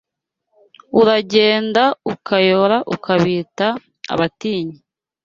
Uragenda ukayora Ukabita abatinyi